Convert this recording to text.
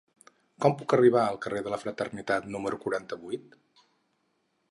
Com puc arribar al carrer de la Fraternitat número quaranta-vuit?